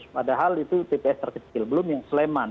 padahal itu tps terkecil belum yang sleman